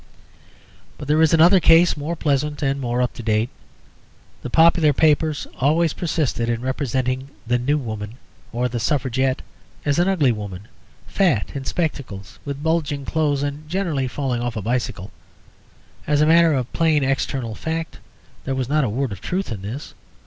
But there is another case more pleasant and more up to date. The popular papers always persisted in representing the New Woman or the Suffragette as an ugly woman, fat, in spectacles, with bulging clothes, and generally falling off a bicycle. As a matter of plain external fact, there was not a word of truth in this.